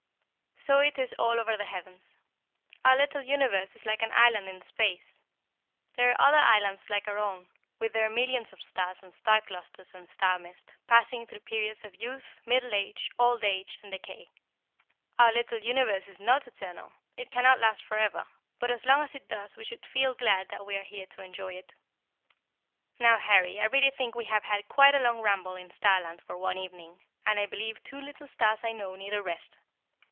"So it is all over the heavens. Our little universe is like an island in space. There are other islands like our own, with their millions of stars and star clusters and star mist, passing through the periods of youth, middle age, old age, and decay. Our little universe is not eternal. It cannot last forever, but as long as it does we should feel glad that we are here to enjoy it. "Now, Harry, I really think we have had quite a long ramble in starland for one evening, and I believe two little stars I know need a rest."